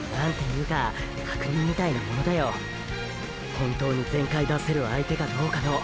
本当に全開出せる相手かどうかの！